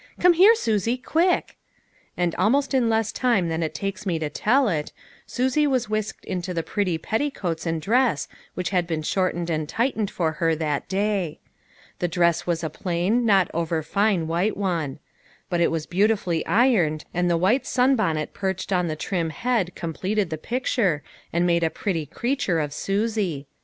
Come here, Susie, quick." And almost in less time than it takes me to tell it, Susie was whisked into the pretty petticoats and dress which had been shortened and tight ened for her that day. The dress was a plain, not over fine white one ; but it was beautifully ironed, and the white sunbonnet perched on the trim head completed the picture and made a pretty creature of Susie.